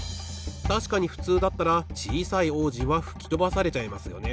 たしかにふつうだったらちいさい王子はふきとばされちゃいますよね。